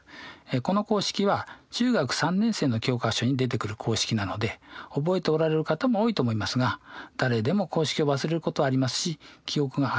この公式は中学３年生の教科書に出てくる公式なので覚えておられる方も多いと思いますが誰でも公式を忘れることはありますし記憶が曖昧な時もありますよね。